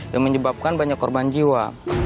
menyebabkan banyak korban jiwa